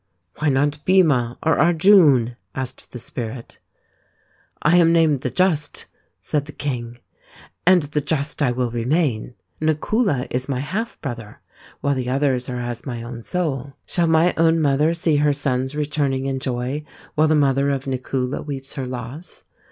" Why not Bhima or Arjun ?" asked the Spirit. " I am named ' the Just/ " said the king, " and c the Just ' I will remain. Nakula is my half brother, while the others are as my own soul. Shall my own 156 THE INDIAN STORY BOOK mother see her sons returning in joy while the mothe of Nakula weeps her loss